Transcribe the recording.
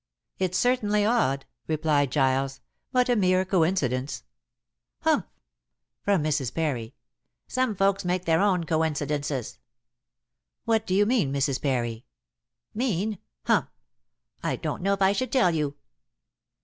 "It's certainly odd," replied Giles. "But a mere coincidence." "Humph!" from Mrs. Parry. "Some folks make their own coincidences." "What do you mean, Mrs. Parry?" "Mean? Humph! I don't know if I should tell you."